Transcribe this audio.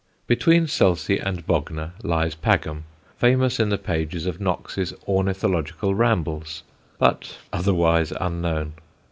Between Selsey and Bognor lies Pagham, famous in the pages of Knox's Ornithological Rambles, but otherwise unknown.